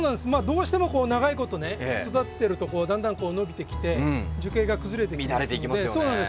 どうしても長い事育ててるとだんだん伸びてきて樹形が崩れてきますので。